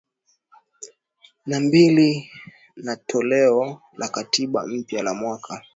na mbili na toleo la katiba mpya la mwaka